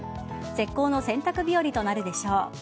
絶好の洗濯日和となるでしょう。